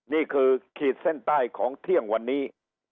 ขีดเส้นใต้ของเที่ยงวันนี้